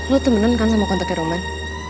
lu temenan kan sama kontaknya roman